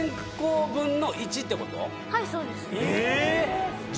はいそうです・ええ